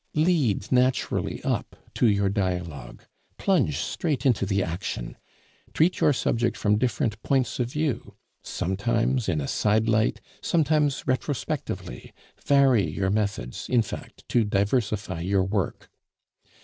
Lead naturally up to your dialogue. Plunge straight into the action. Treat your subject from different points of view, sometimes in a side light, sometimes retrospectively; vary your methods, in fact, to diversify your work.